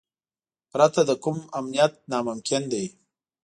پرته له حکومت امنیت ناممکن دی.